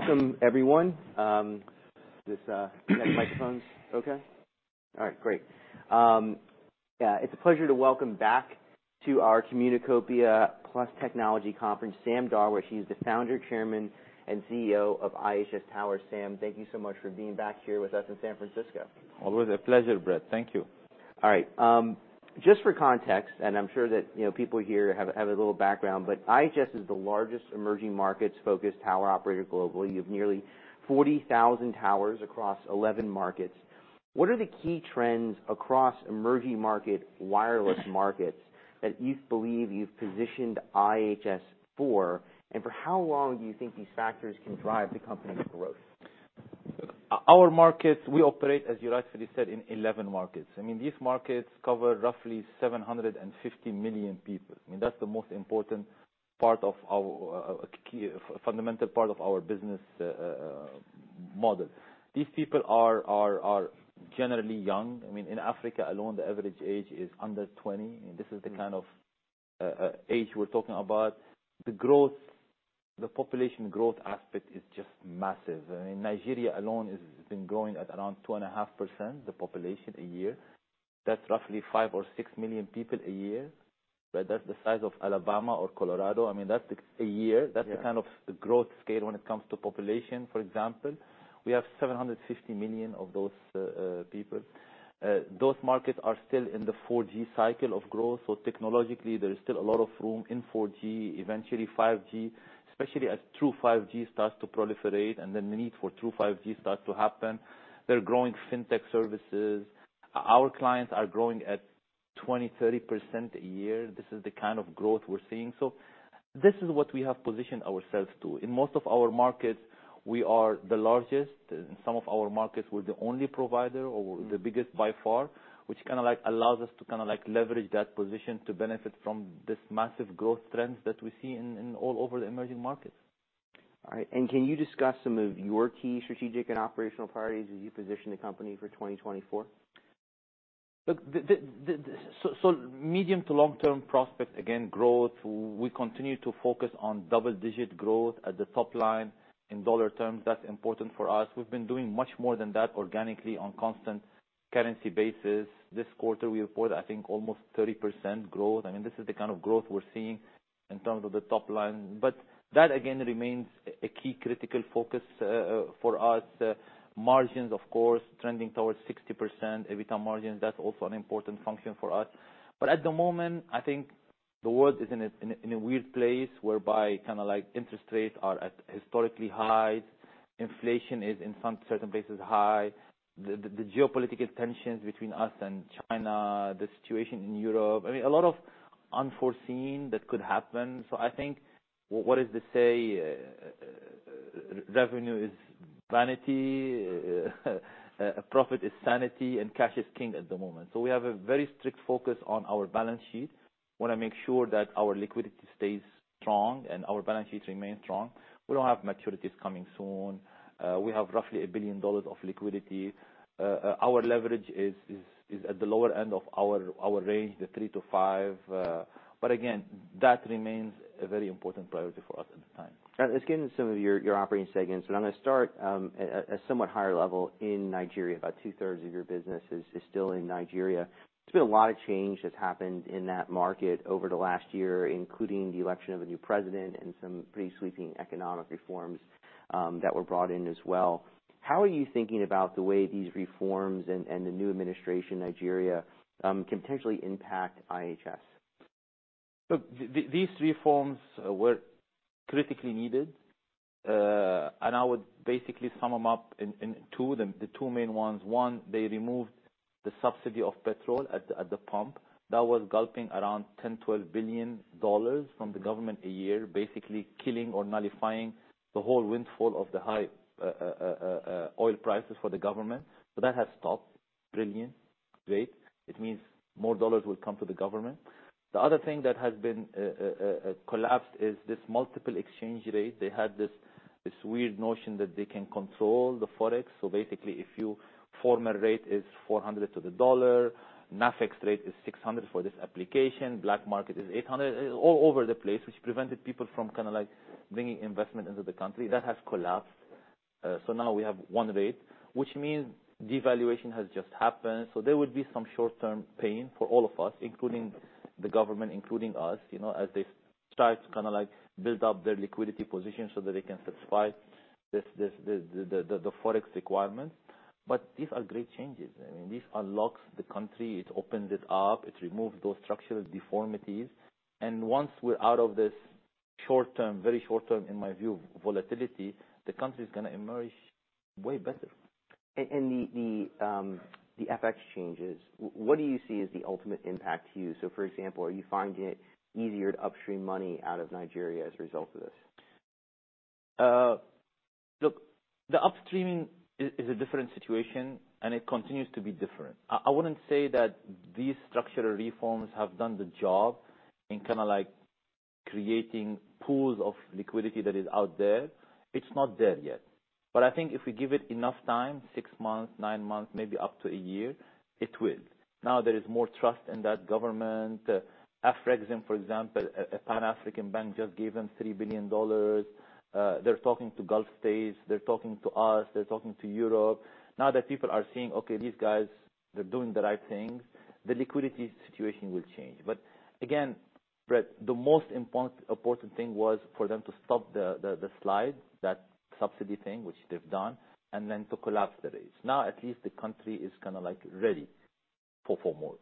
Welcome everyone. Is this microphone okay? All right, great. Yeah, it's a pleasure to welcome back to our Communicopia + Technology Conference, Sam Darwish. He's the founder, chairman, and CEO of IHS Towers. Sam, thank you so much for being back here with us in San Francisco. Always a pleasure, Brett. Thank you. All right. Just for context, and I'm sure that, you know, people here have a little background, but IHS is the largest emerging markets-focused tower operator globally. You have nearly 40,000 towers across 11 markets. What are the key trends across emerging market, wireless markets, that you believe you've positioned IHS for, and for how long do you think these factors can drive the company's growth? Our markets, we operate, as you rightly said, in 11 markets. I mean, these markets cover roughly 750 million people, and that's the most important part of our key fundamental part of our business model. These people are generally young. I mean, in Africa alone, the average age is under 20, and this is the kind of age we're talking about. The population growth aspect is just massive. I mean, Nigeria alone has been growing at around 2.5%, the population, a year. That's roughly five or six million people a year. But that's the size of Alabama or Colorado. I mean, that's a year. Yeah. That's the kind of the growth scale when it comes to population, for example. We have 750 million of those people. Those markets are still in the 4G cycle of growth, so technologically, there is still a lot of room in 4G, eventually 5G, especially as true 5G starts to proliferate, and then the need for true 5G starts to happen. They're growing Fintech services. Our clients are growing at 20%-30% a year. This is the kind of growth we're seeing. So this is what we have positioned ourselves to. In most of our markets, we are the largest. In some of our markets, we're the only provider or the biggest by far, which kind of like, allows us to kind of like, leverage that position to benefit from this massive growth trends that we see in all over the emerging markets. All right, and can you discuss some of your key strategic and operational priorities as you position the company for 2024? So, medium to long-term prospects, again, growth. We continue to focus on double-digit growth at the top line in dollar terms. That's important for us. We've been doing much more than that organically on constant currency basis. This quarter, we report, I think, almost 30% growth. I mean, this is the kind of growth we're seeing in terms of the top line. But that, again, remains a key critical focus for us. Margins, of course, trending towards 60% EBITDA margins. That's also an important function for us. But at the moment, I think the world is in a weird place whereby kind of like interest rates are at historically high, inflation is in some certain places high, the geopolitical tensions between US and China, the situation in Europe, I mean, a lot of unforeseen that could happen. So I think, what is the say? Revenue is vanity, profit is sanity, and cash is king at the moment. So we have a very strict focus on our balance sheet. Want to make sure that our liquidity stays strong and our balance sheets remain strong. We don't have maturities coming soon. We have roughly $1 billion of liquidity. Our leverage is at the lower end of our range, the three to five, but again, that remains a very important priority for us at the time. Let's get into some of your operating segments, and I'm going to start at a somewhat higher level in Nigeria. About 2/3 of your business is still in Nigeria. There's been a lot of change that's happened in that market over the last year, including the election of a new president and some pretty sweeping economic reforms that were brought in as well. How are you thinking about the way these reforms and the new administration, Nigeria, can potentially impact IHS? Look, these reforms were critically needed, and I would basically sum them up in two, the two main ones. One, they removed the subsidy of petrol at the pump. That was gulping around $10-12 billion from the government a year, basically killing or nullifying the whole windfall of the high oil prices for the government. So that has stopped. Brilliant, great. It means more dollars will come to the government. The other thing that has been collapsed is this multiple exchange rate. They had this weird notion that they can control the Forex. So basically, if you official rate is 400 to the dollar, NAFEX rate is 600 for this application, black market is 800. All over the place, which prevented people from kind of like bringing investment into the country. That has collapsed. So now we have one rate, which means devaluation has just happened, so there would be some short-term pain for all of us, including the government, including us, you know, as they start to kind of like build up their liquidity position so that they can satisfy this, the Forex requirement. But these are great changes. I mean, this unlocks the country, it opens it up, it removes those structural deformities. And once we're out of this short term, very short term, in my view, volatility, the country is going to emerge way better. And the FX changes, what do you see as the ultimate impact to you? So for example, are you finding it easier to upstream money out of Nigeria as a result of this? Look, the upstreaming is a different situation, and it continues to be different. I wouldn't say that these structural reforms have done the job in kind of like creating pools of liquidity that is out there. It's not there yet but I think if we give it enough time, six months, nine months, maybe up to a year, it will. Now there is more trust in that government. Afreximbank, for example, a Pan-African bank, just gave them $3 billion. They're talking to Gulf States, they're talking to us, they're talking to Europe. Now that people are seeing, okay, these guys, they're doing the right things, the liquidity situation will change. But again, Brett, the most important thing was for them to stop the slide, that subsidy thing, which they've done, and then to collapse the rates. Now, at least the country is kind of, like, ready for four more.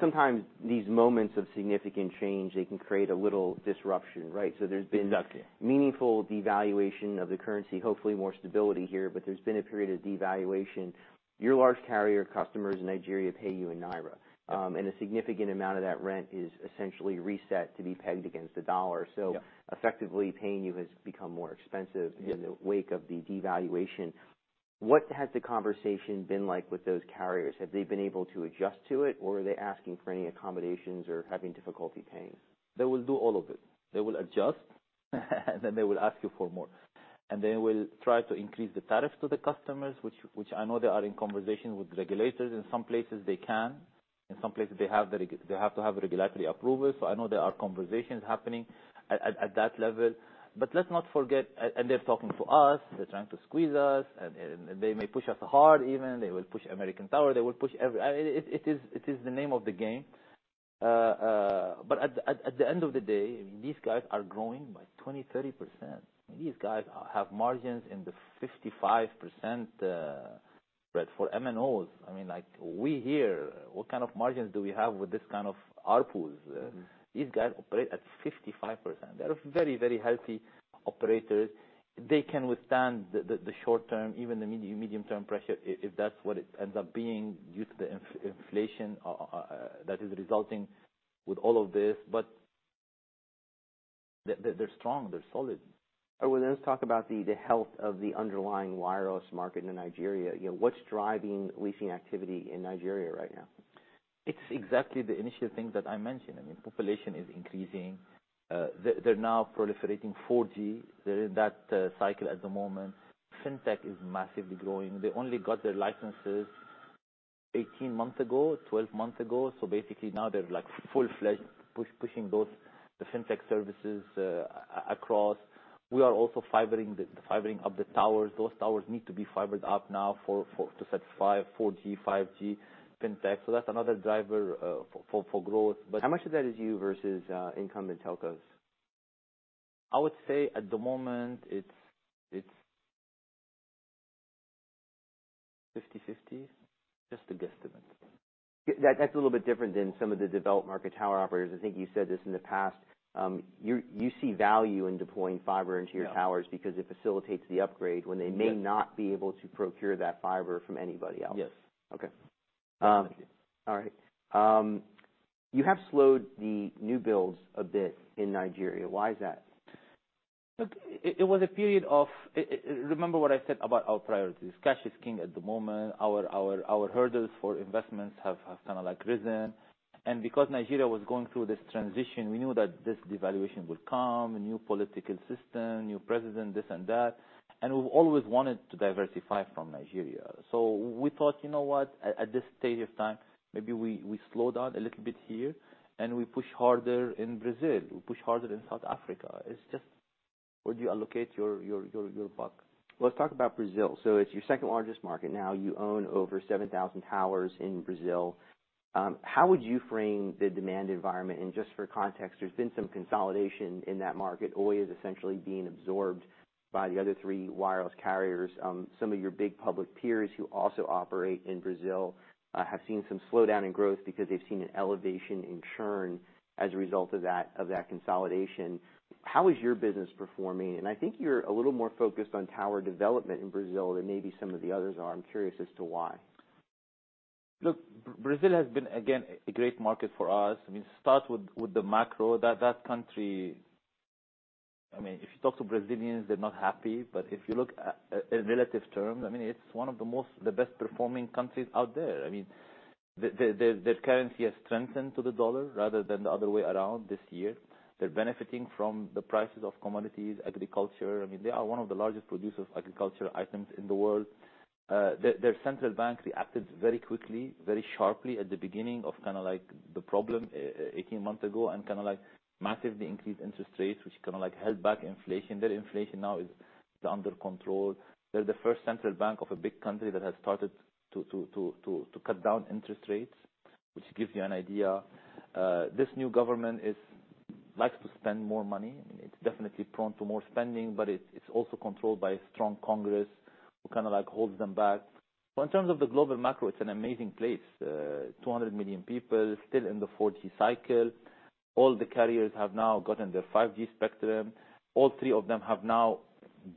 Sometimes these moments of significant change, they can create a little disruption, right? Exactly. There's been meaningful devaluation of the currency. Hopefully, more stability here, but there's been a period of devaluation. Your large carrier customers in Nigeria pay you in Naira, and a significant amount of that rent is essentially reset to be pegged against the dollar. Yeah. Effectively, paying you has become more expensive- Yeah... in the wake of the devaluation. What has the conversation been like with those carriers? Have they been able to adjust to it, or are they asking for any accommodations or having difficulty paying? They will do all of it. They will adjust, then they will ask you for more. They will try to increase the tariffs to the customers, which I know they are in conversation with regulators. In some places they can, in some places they have to have regulatory approval. So I know there are conversations happening at that level. But let's not forget, and they're talking to us, they're trying to squeeze us, and they may push us hard even. They will push American Tower, they will push every... I mean, it is the name of the game. But at the end of the day, these guys are growing by 20%-30%. These guys have margins in the 55%, Brett, for MNOs. I mean, like we hear, what kind of margins do we have with this kind of ARPUs? Mm-hmm. These guys operate at 55%. They are very, very healthy operators. They can withstand the short term, even the medium term pressure, if that's what it ends up being due to the inflation that is resulting with all of this. But they're strong, they're solid. Well, then, let's talk about the health of the underlying wireless market in Nigeria. You know, what's driving leasing activity in Nigeria right now? It's exactly the initial things that I mentioned. I mean, population is increasing. They're now proliferating 4G. They're in that cycle at the moment. Fintech is massively growing. They only got their licenses 18 months ago, 12 months ago, so basically now they're like full-fledged, pushing those, the Fintech services across. We are also fibering up the towers. Those towers need to be fibered up now for 4G, 5G, Fintech. So that's another driver for growth. But- How much of that is you versus incumbent telcos? I would say at the moment, it's 50/50. Just a guesstimate. That's a little bit different than some of the developed market tower operators. I think you said this in the past. You see value in deploying fiber into your towers. Yeah... because it facilitates the upgrade, when they may- Yeah... not be able to procure that fiber from anybody else. Yes. Okay. Thank you. All right. You have slowed the new builds a bit in Nigeria. Why is that? Look, it was a period of... I-- Remember what I said about our priorities. Cash is king at the moment. Our hurdles for investments have kind of like risen. And because Nigeria was going through this transition, we knew that this devaluation would come, a new political system, new president, this and that, and we've always wanted to diversify from Nigeria. So we thought, You know what? At this stage of time, maybe we slow down a little bit here, and we push harder in Brazil, we push harder in South Africa. It's just where do you allocate your buck? Let's talk about Brazil. So it's your second largest market. Now, you own over 7,000 towers in Brazil. How would you frame the demand environment? And just for context, there's been some consolidation in that market, always essentially being absorbed by the other three wireless carriers. Some of your big public peers who also operate in Brazil have seen some slowdown in growth because they've seen an elevation in churn as a result of that, of that consolidation. How is your business performing? And I think you're a little more focused on tower development in Brazil than maybe some of the others are. I'm curious as to why. Look, Brazil has been, again, a great market for us. I mean, start with the macro. That country... I mean, if you talk to Brazilians, they're not happy, but if you look at relative terms, I mean, it's one of the most, the best performing countries out there. I mean, their currency has strengthened to the dollar rather than the other way around this year. They're benefiting from the prices of commodities, agriculture. I mean, they are one of the largest producers of agricultural items in the world. Their central bank reacted very quickly, very sharply at the beginning of kind of like the problem, 18 months ago, and kind of like massively increased interest rates, which kind of like held back inflation. Their inflation now is under control. They're the first central bank of a big country that has started to cut down interest rates, which gives you an idea. This new government likes to spend more money. I mean, it's definitely prone to more spending, but it's also controlled by a strong congress who kind of like holds them back. So in terms of the global macro, it's an amazing place. 200 million people, still in the 4G cycle. All the carriers have now gotten their 5G spectrum. All three of them have now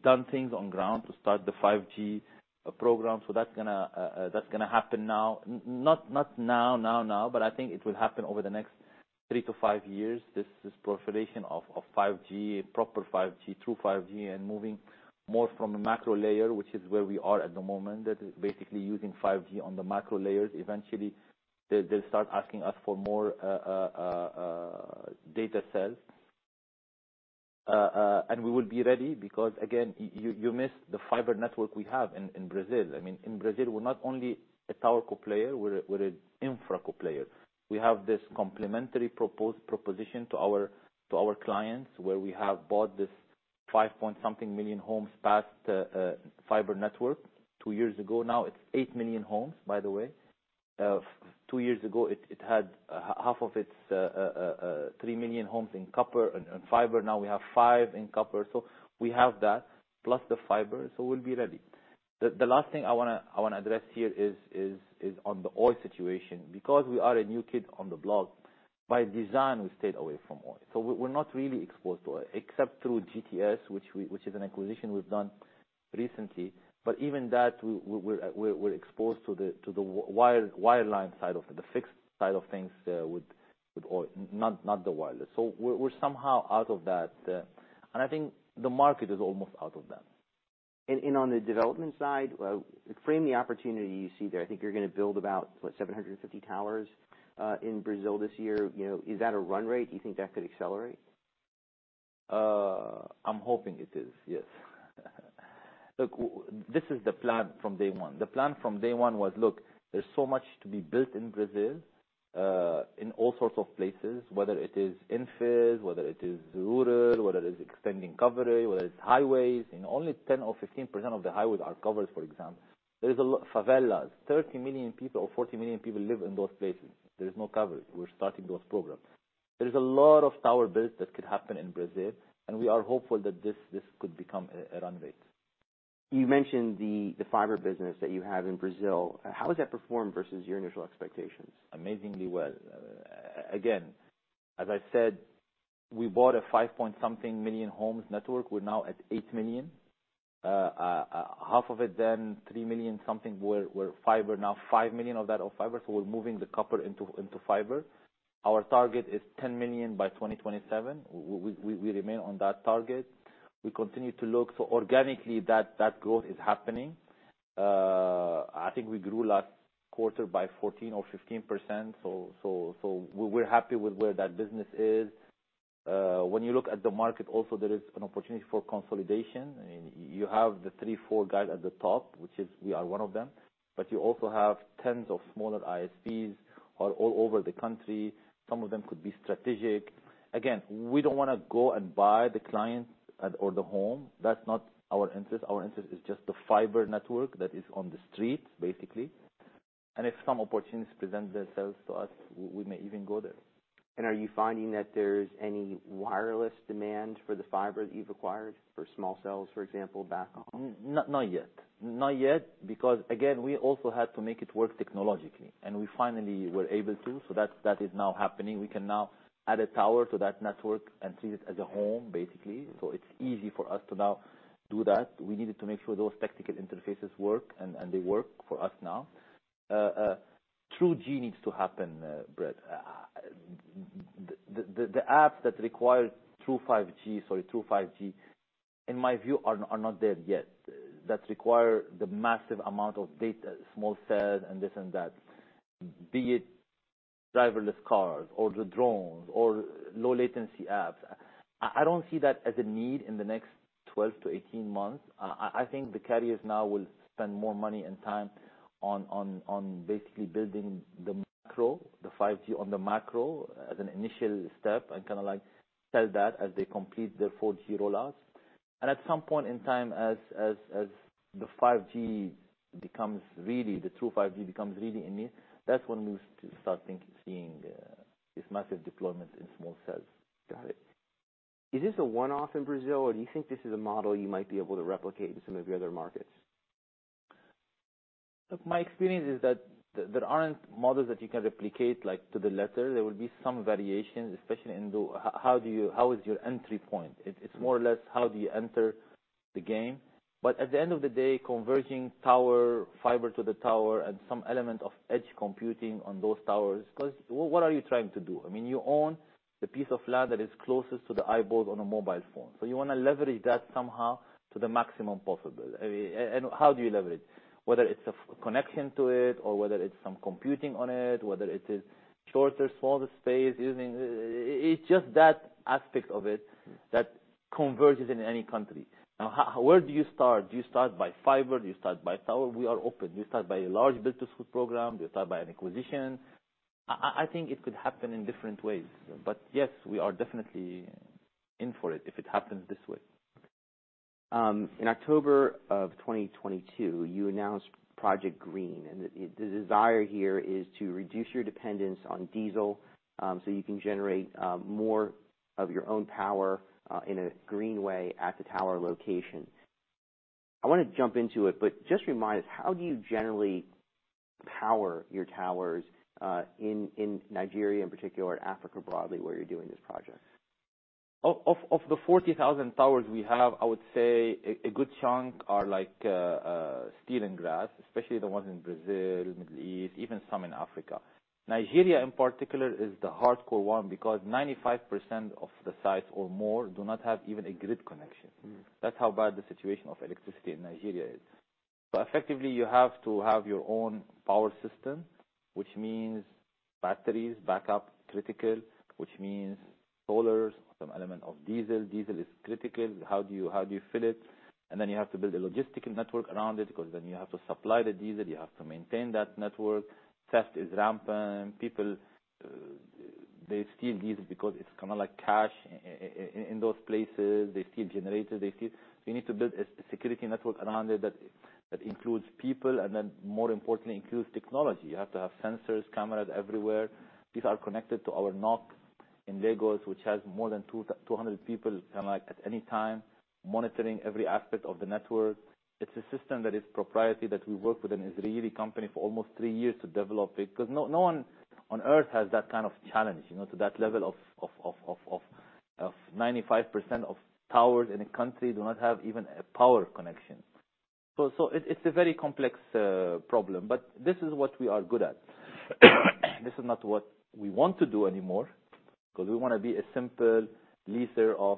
done things on ground to start the 5G program. So that's gonna happen now. Not now, but I think it will happen over the next three to five years. This proliferation of 5G, proper 5G, true 5G, and moving more from a macro layer, which is where we are at the moment. That is, basically using 5G on the macro layers. Eventually they'll start asking us for more data cells, and we will be ready because, again, you miss the fiber network we have in Brazil. I mean, in Brazil, we're not only a TowerCo player, we're an InfraCo player. We have this complementary proposed proposition to our clients, where we have bought this five point something million homes passed fiber network. Two years ago now, it's 8 million homes, by the way. Two years ago, it had half of its 3 million homes in copper and fiber. Now we have five in copper. So we have that, plus the fiber, so we'll be ready. The last thing I wanna address here is on the oil situation. Because we are a new kid on the block, by design, we stayed away from oil. So we're not really exposed to oil, except through GTS, which is an acquisition we've done recently. But even that, we're exposed to the wireline side of it, the fixed side of things, with oil, not the wireless. So we're somehow out of that. And I think the market is almost out of that. On the development side, frame the opportunity you see there. I think you're going to build about, what, 750 towers in Brazil this year. You know, is that a run rate? Do you think that could accelerate? I'm hoping it is, yes. Look, this is the plan from day one. The plan from day one was, look, there's so much to be built in Brazil, in all sorts of places, whether it is infilled, whether it is rural, whether it is extending coverage, whether it's highways. And only 10% or 15% of the highways are covered, for example. There is a lot, favelas, 30 million people or 40 million people live in those places. There is no coverage. We're starting those programs. There is a lot of tower build that could happen in Brazil, and we are hopeful that this, this could become a, a run rate. You mentioned the fiber business that you have in Brazil. How has that performed versus your initial expectations? Amazingly well. Again, as I said, we bought a five-point-something million homes network. We're now at 8 million. Half of it then, 3 million something were fiber, now 5 million of that are fiber, so we're moving the copper into fiber. Our target is 10 million by 2027. We remain on that target. We continue to look. So organically, that growth is happening. I think we grew last quarter by 14 or 15%, so we're happy with where that business is. When you look at the market also, there is an opportunity for consolidation. I mean, you have the three, four guys at the top, which is we are one of them. But you also have tens of smaller ISPs all over the country. Some of them could be strategic. Again, we don't wanna go and buy the client or the home. That's not our interest. Our interest is just the fiber network that is on the street, basically. And if some opportunities present themselves to us, we may even go there. Are you finding that there's any wireless demand for the fiber that you've acquired, for small cells, for example, back home? Not, not yet. Not yet, because, again, we also had to make it work technologically, and we finally were able to, so that's, that is now happening. We can now add a tower to that network and treat it as a home, basically. So it's easy for us to now do that. We needed to make sure those technical interfaces work, and, and they work for us now. True 5G needs to happen, Brett. The apps that require True 5G—sorry, True 5G, in my view, are not there yet. That require the massive amount of data, small cell and this and that. Be it driverless cars or the drones or low latency apps, I don't see that as a need in the next 12-18 months. I think the carriers now will spend more money and time on basically building the macro, the 5G on the macro, as an initial step, and kind of, like, sell that as they complete their 4G rollout. At some point in time, as the 5G becomes really—the True 5G becomes really a need, that's when we start seeing this massive deployment in Small Cells. Got it. Is this a one-off in Brazil, or do you think this is a model you might be able to replicate in some of your other markets? Look, my experience is that there aren't models that you can replicate, like, to the letter. There will be some variations, especially in the... How is your entry point? It's more or less, how do you enter the game. But at the end of the day, converging tower, fiber to the tower, and some element of edge computing on those towers. Because what are you trying to do? I mean, you own the piece of land that is closest to the eyeballs on a mobile phone. So you wanna leverage that somehow to the maximum possible. I mean, and how do you leverage? Whether it's a connection to it or whether it's some computing on it, whether it is shorter, smaller space using... It's just that aspect of it that converges in any country. Now, where do you start? Do you start by fiber? Do you start by tower? We are open. Do you start by a large business school program? Do you start by an acquisition? I think it could happen in different ways, but yes, we are definitely in for it if it happens this way. In October 2022, you announced Project Green, and the desire here is to reduce your dependence on diesel, so you can generate more of your own power in a green way at the tower location. I want to jump into it, but just remind us, how do you generally power your towers in Nigeria in particular, and Africa broadly, where you're doing this project? Of the 40,000 towers we have, I would say a good chunk are like steel and grass, especially the ones in Brazil, Middle East, even some in Africa. Nigeria in particular is the hardcore one because 95% of the sites or more do not have even a grid connection. Mm. That's how bad the situation of electricity in Nigeria is. So effectively, you have to have your own power system, which means batteries, backup, critical, which means solars, some element of diesel. Diesel is critical. How do you, how do you fill it? And then you have to build a logistical network around it, because then you have to supply the diesel, you have to maintain that network. Theft is rampant. People, they steal diesel because it's kind of like cash in those places. They steal generators, they steal. You need to build a security network around it that includes people, and then, more importantly, includes technology. You have to have sensors, cameras everywhere. These are connected to our NOC in Lagos, which has more than 200 people, kind of like at any time, monitoring every aspect of the network. It's a system that is proprietary, that we worked with an Israeli company for almost three years to develop it. Because no one on Earth has that kind of challenge, you know, to that level of 95% of towers in a country do not have even a power connection. So it's a very complex problem, but this is what we are good at. This is not what we want to do anymore, because we want to be a simple leaser of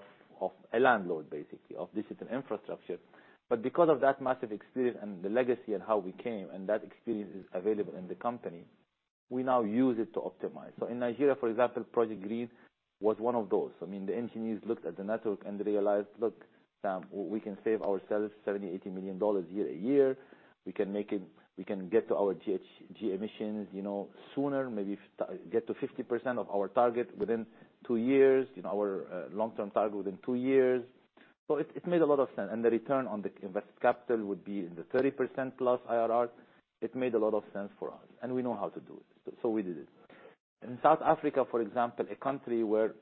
a landlord, basically, of digital infrastructure. But because of that massive experience and the legacy and how we came, and that experience is available in the company, we now use it to optimize. So in Nigeria, for example, Project Green was one of those. I mean, the engineers looked at the network and realized: Look, Sam, we can save ourselves $70-80 million a year. We can make it- we can get to our GHG emissions, you know, sooner, maybe get to 50% of our target within two years, you know, our long-term target within two years. So it made a lot of sense, and the return on the invested capital would be in the 30%+ IRR. It made a lot of sense for us, and we know how to do it, so we did it. In South Africa, for example, a country where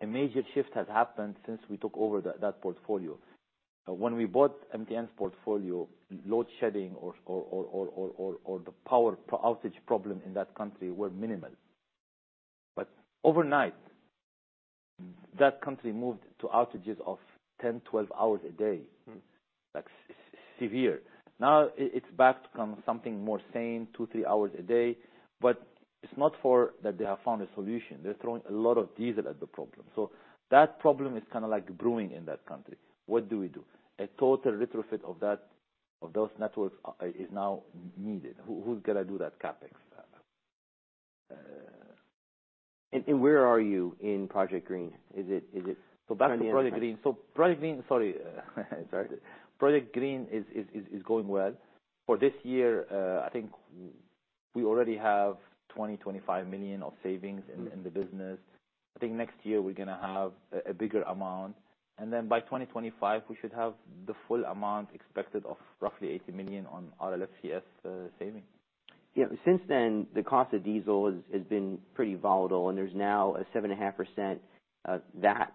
a major shift has happened since we took over that portfolio. When we bought MTN's portfolio, load shedding or the power outage problem in that country were minimal. But overnight, that country moved to outages of 10, 12 hours a day. Mm. That's severe. Now it's back to something more sane, two, three hours a day, but it's not that they have found a solution. They're throwing a lot of diesel at the problem. So that problem is kind of brewing in that country. What do we do? A total retrofit of those networks is now needed. Who's going to do that CapEx? Where are you in Project Green? Is it, is it- Back to Project Green. Project Green is going well. For this year, I think we already have $25 million of savings- Mm. In the business. I think next year we're going to have a bigger amount, and then by 2025, we should have the full amount expected of roughly $80 million on all FCS savings. Yeah. Since then, the cost of diesel has been pretty volatile, and there's now a 7.5% VAT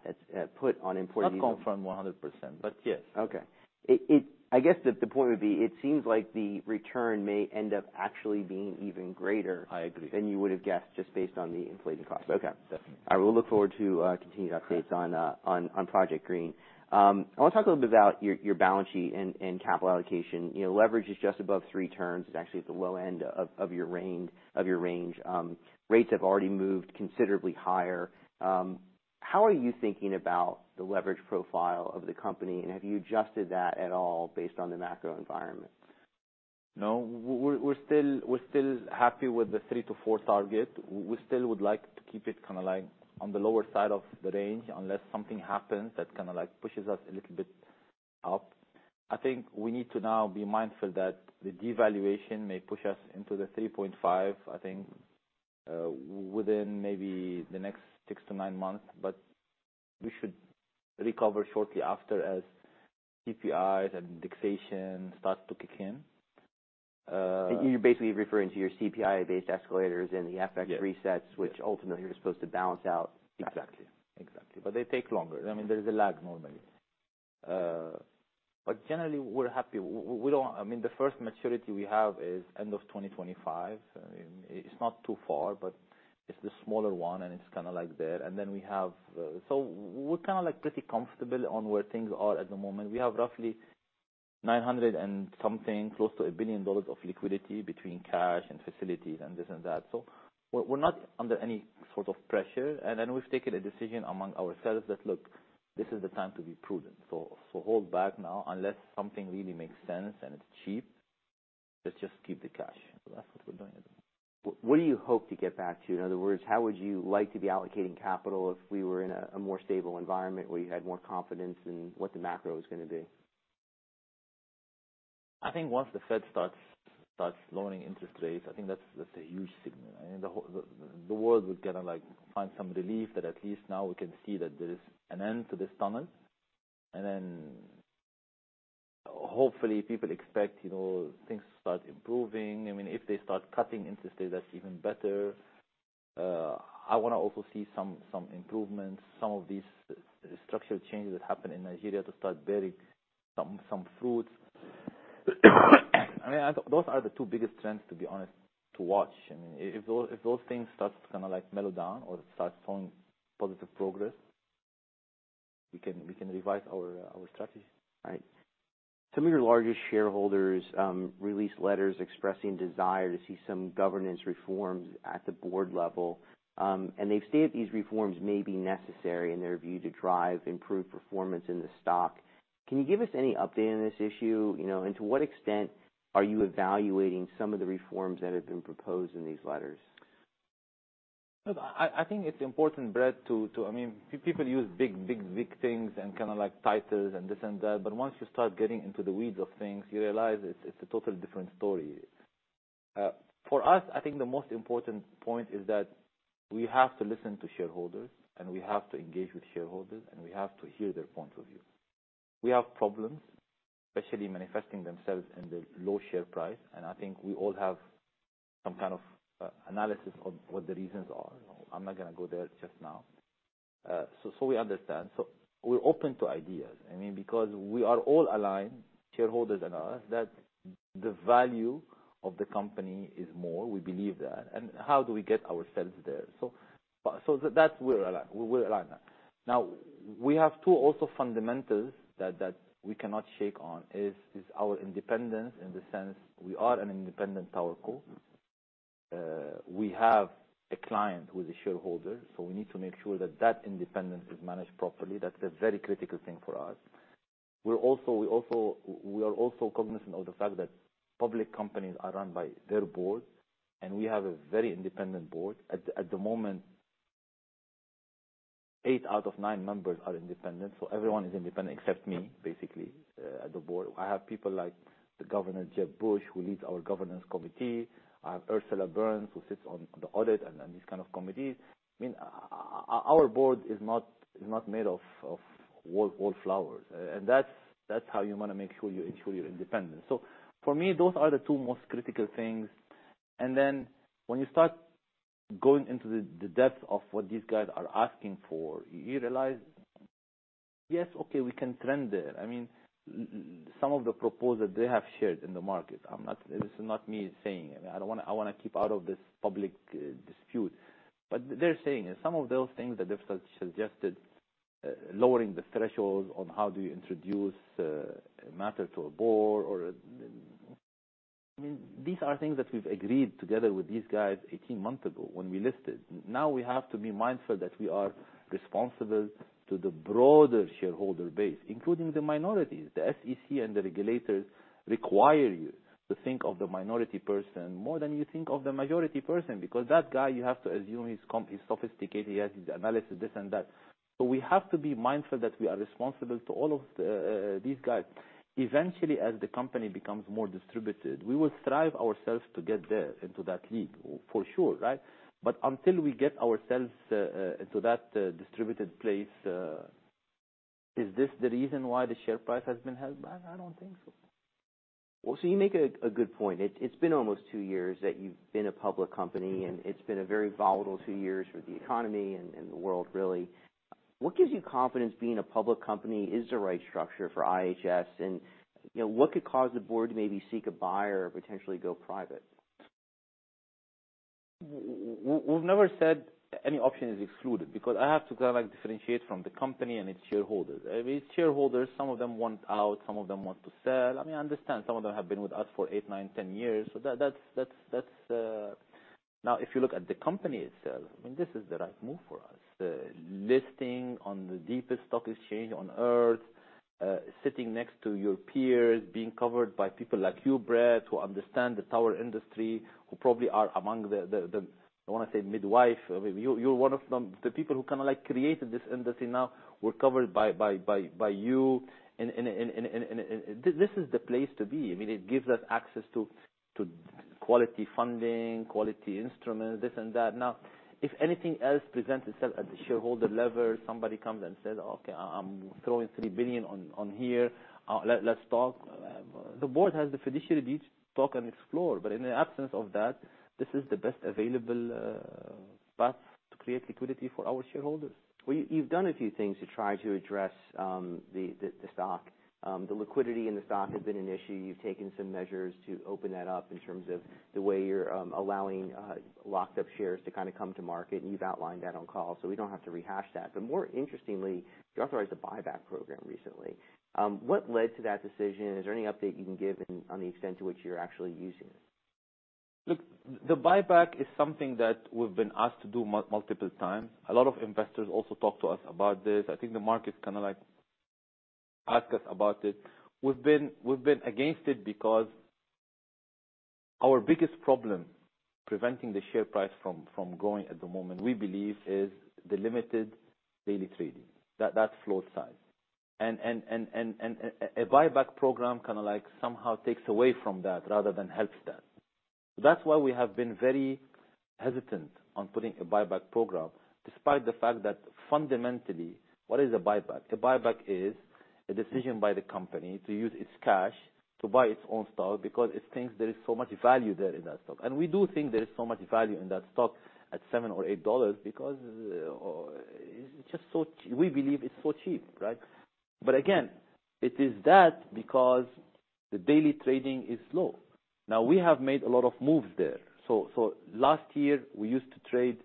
put on imported diesel. Not confirmed 100%, but yes. Okay. I guess the point would be, it seems like the return may end up actually being even greater- I agree. than you would have guessed, just based on the inflated cost. Okay. Yes. I will look forward to continued updates on Project Green. I want to talk a little bit about your balance sheet and capital allocation. You know, leverage is just above three turns. It's actually at the low end of your range. Rates have already moved considerably higher. How are you thinking about the leverage profile of the company, and have you adjusted that at all based on the macro environment? No, we're still happy with the three to four target. We still would like to keep it kind of like on the lower side of the range, unless something happens that kind of, like, pushes us a little bit up. I think we need to now be mindful that the devaluation may push us into the 3.5, I think, within maybe the next six-nine months. But we should recover shortly after, as CPIs and fixation start to kick in. You're basically referring to your CPI-based escalators and the FX resets- Yes. which ultimately are supposed to balance out. Exactly. Exactly, but they take longer. I mean, there is a lag normally. But generally, we're happy. We don't... I mean, the first maturity we have is end of 2025. I mean, it's not too far, but it's the smaller one, and it's kind of like there. And then we have... So we're kind of, like, pretty comfortable on where things are at the moment. We have roughly 900-something, close to $1 billion of liquidity between cash and facilities and this and that. So we're, we're not under any sort of pressure, and then we've taken a decision among ourselves that, "Look, this is the time to be prudent. So, so hold back now, unless something really makes sense, and it's cheap, let's just keep the cash." So that's what we're doing. What do you hope to get back to? In other words, how would you like to be allocating capital if we were in a more stable environment, where you had more confidence in what the macro is going to be? I think once the Fed starts lowering interest rates, I think that's a huge signal, and the whole world would get to, like, find some relief that at least now we can see that there is an end to this tunnel. And then, hopefully, people expect, you know, things to start improving. I mean, if they start cutting interest rates, that's even better. I want to also see some improvements, some of these structural changes that happen in Nigeria to start bearing some fruits. I mean, those are the two biggest trends, to be honest, to watch. I mean, if those things start to kind of, like, mellow down or start showing positive progress, we can revise our strategy. Right. Some of your largest shareholders released letters expressing desire to see some governance reforms at the board level. And they've stated these reforms may be necessary in their view to drive improved performance in the stock. Can you give us any update on this issue? You know, and to what extent are you evaluating some of the reforms that have been proposed in these letters?... I think it's important, Brett, to—I mean, people use big, big, big things and kind of like titles and this and that, but once you start getting into the weeds of things, you realize it's a totally different story. For us, I think the most important point is that we have to listen to shareholders, and we have to engage with shareholders, and we have to hear their points of view. We have problems, especially manifesting themselves in the low share price, and I think we all have some kind of analysis of what the reasons are. I'm not going to go there just now. So we understand. We're open to ideas, I mean, because we are all aligned, shareholders and us, that the value of the company is more, we believe that, and how do we get ourselves there? So that we're aligned. We were aligned there. Now, we have two also fundamentals that we cannot shake on, is our independence in the sense we are an independent tower co. We have a client who is a shareholder, so we need to make sure that that independence is managed properly. That's a very critical thing for us. We're also, we also—we are also cognizant of the fact that public companies are run by their board, and we have a very independent board. At the moment, eight out of nine members are independent, so everyone is independent except me, basically, at the board. I have people like the Governor Jeb Bush, who leads our governance committee. I have Ursula Burns, who sits on the audit and these kind of committees. I mean, our board is not made of wallflowers, and that's how you want to make sure you ensure you're independent. So for me, those are the two most critical things. And then when you start going into the depth of what these guys are asking for, you realize, yes, okay, we can trend there. I mean, some of the proposals they have shared in the market, I'm not—this is not me saying. I mean, I don't want to. I want to keep out of this public dispute. But they're saying, and some of those things that they've suggested, lowering the threshold on how do you introduce a matter to a board or... I mean, these are things that we've agreed together with these guys eighteen months ago when we listed. Now, we have to be mindful that we are responsible to the broader shareholder base, including the minorities. The SEC and the regulators require you to think of the minority person more than you think of the majority person, because that guy, you have to assume he's sophisticated, he has his analysis, this and that. So we have to be mindful that we are responsible to all of the, these guys. Eventually, as the company becomes more distributed, we will strive ourselves to get there into that league, for sure, right? But until we get ourselves, into that, distributed place, is this the reason why the share price has been held back? I don't think so. Well, so you make a good point. It's been almost two years that you've been a public company, and it's been a very volatile two years for the economy and the world, really. What gives you confidence being a public company is the right structure for IHS, and, you know, what could cause the board to maybe seek a buyer or potentially go private? We've never said any option is excluded because I have to kind of like differentiate from the company and its shareholders. I mean, shareholders, some of them want out, some of them want to sell. I mean, I understand some of them have been with us for eight, nine, 10 years. So that's... Now, if you look at the company itself, I mean, this is the right move for us. Listing on the deepest stock exchange on Earth, sitting next to your peers, being covered by people like you, Brett, who understand the tower industry, who probably are among the, I want to say, midwife. You're one of them, the people who kind of like created this industry now. We're covered by you, and this is the place to be. I mean, it gives us access to quality funding, quality instruments, this and that. Now, if anything else presents itself at the shareholder level, somebody comes and says, "Okay, I'm throwing $3 billion on here. Let's talk." The board has the fiduciary duty to talk and explore, but in the absence of that, this is the best available path to create liquidity for our shareholders. Well, you've done a few things to try to address the stock. The liquidity in the stock has been an issue. You've taken some measures to open that up in terms of the way you're allowing locked up shares to kind of come to market, and you've outlined that on call, so we don't have to rehash that. But more interestingly, you authorized a buyback program recently. What led to that decision? Is there any update you can give on the extent to which you're actually using it? Look, the buyback is something that we've been asked to do multiple times. A lot of investors also talk to us about this. I think the market kind of like ask us about it. We've been against it because our biggest problem, preventing the share price from going at the moment, we believe is the limited daily trading. That's float size. And a buyback program kind of like somehow takes away from that rather than helps that. So that's why we have been very hesitant on putting a buyback program, despite the fact that fundamentally, what is a buyback? A buyback is a decision by the company to use its cash to buy its own stock because it thinks there is so much value there in that stock. And we do think there is so much value in that stock at $7 or $8 because it's just so cheap. We believe it's so cheap, right? But again, it is that because the daily trading is low. Now, we have made a lot of moves there. So last year, we used to trade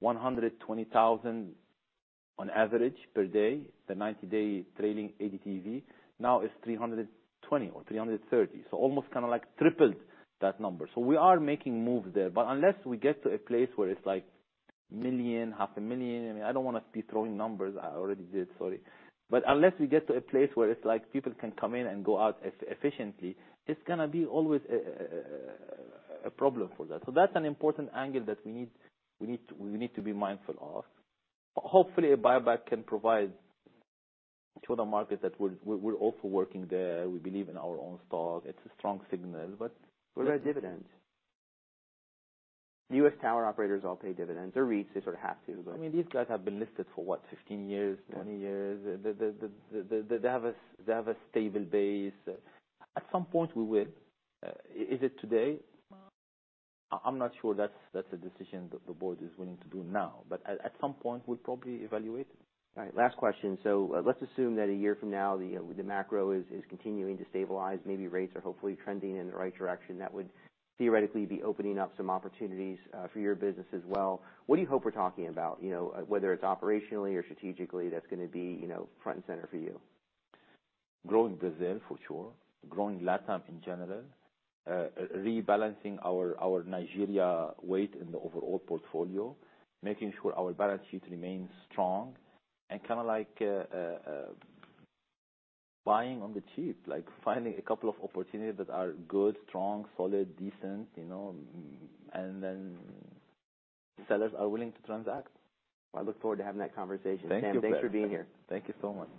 120,000 on average per day, the 90-day trading ADTV. Now, it's 320 or 330, so almost kind of like tripled that number. So we are making moves there, but unless we get to a place where it's like 1 million, half a million, I mean, I don't want to be throwing numbers. I already did, sorry. But unless we get to a place where it's like people can come in and go out efficiently, it's gonna be always a problem for that. So that's an important angle that we need to be mindful of. Hopefully, a buyback can provide to the market that we're also working there. We believe in our own stock. It's a strong signal, but- What about dividends? US tower operators all pay dividends or REITs. They sort of have to, but. I mean, these guys have been listed for what, 15 years, 20 years. They have a stable base. At some point, we will. Is it today? I'm not sure that's a decision that the board is willing to do now, but at some point, we'll probably evaluate it. All right, last question. So let's assume that a year from now, the macro is continuing to stabilize, maybe rates are hopefully trending in the right direction. That would theoretically be opening up some opportunities for your business as well. What do you hope we're talking about? You know, whether it's operationally or strategically, that's gonna be, you know, front and center for you. Growing Brazil, for sure. Growing Latin in general, rebalancing our Nigeria weight in the overall portfolio, making sure our balance sheet remains strong, and kind of like, buying on the cheap, like finding a couple of opportunities that are good, strong, solid, decent, you know, and then sellers are willing to transact. I look forward to having that conversation. Thank you. Sam, thanks for being here. Thank you so much.